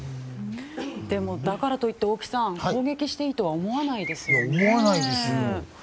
でも、だからといって大木さん、攻撃していいとは思わないですよ。